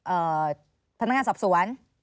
เอ่อพนักงานสับสวน